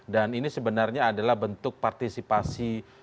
ini sebenarnya adalah bentuk partisipasi